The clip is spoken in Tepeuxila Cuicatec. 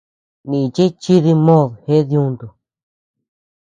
Nichi chi dimod jeʼed yuntu.